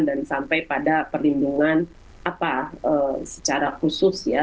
dan sampai pada perlindungan secara khusus